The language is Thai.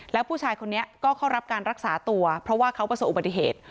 แล้วผู้ชายคนนี้ก็เข้ารับการรักษาตัวเพราะว่าเขาประสบอุบัติเหตุ